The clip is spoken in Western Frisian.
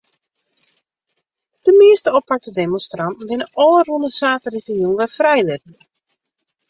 De measte oppakte demonstranten binne ôfrûne saterdeitejûn wer frijlitten.